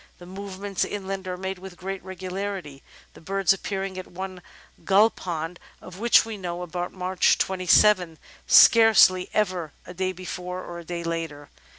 The movements in land are made with great regularity, the birds appearing at one gull pond» of which we know, about March 27, scarcely ever a day before or a day later.